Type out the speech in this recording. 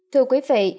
thưa quý vị